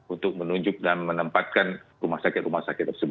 untuk menunjuk dan menempatkan rumah sakit rumah sakit tersebut